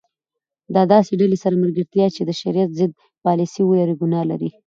د داسي ډلي سره ملګرتیا چي د شرعیت ضد پالسي ولري؛ ګناه لري.